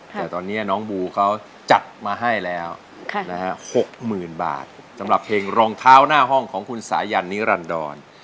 แต่ตอนนี้น้องบูเขาจัดมาให้แล้ว๖๐๐๐บาทสำหรับเพลงรองเท้าหน้าห้องของคุณสายันนิรันดร